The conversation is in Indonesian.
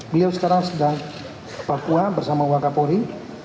beliau sekarang sedang papua bersama wakapori